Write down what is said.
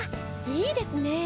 いいですね。